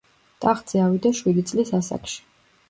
ტახტზე ავიდა შვიდი წლის ასაკში.